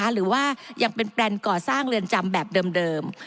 หรือว่ายังเป็นแปลนก่อสร้างเรือนจำแบบเดิม